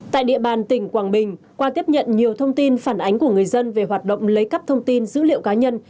tại địa bàn tỉnh quảng bình qua tiếp nhận nhiều thông tin phản ánh của người dân về hoạt động lấy cắp thông tin dữ liệu cá nhân